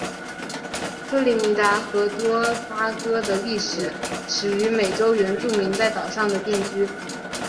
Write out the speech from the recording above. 特立尼达和多巴哥的历史始于美洲原住民在岛上的定居。